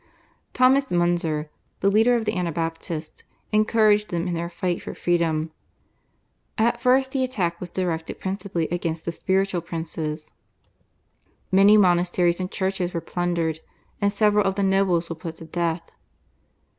Thomas Munzer, the leader of the Anabaptists, encouraged them in their fight for freedom. At first the attack was directed principally against the spiritual princes. Many monasteries and churches were plundered, and several of the nobles were put to death.